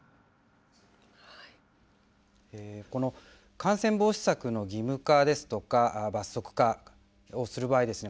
感染防止策の義務化ですとか罰則化をする場合ですね。